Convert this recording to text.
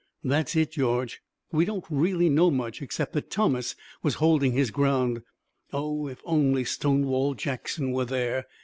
"That's it, George. We don't really know much, except that Thomas was holding his ground. Oh, if only Stonewall Jackson were there!